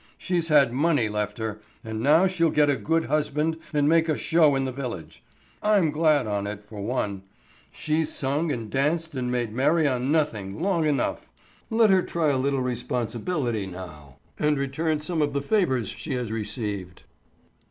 "She's had money left her, and now she'll get a good husband, and make a show in the village. I'm glad on it, for one. She's sung and danced and made merry on nothing long enough. Let her try a little responsibility now, and return some of the favors she has received."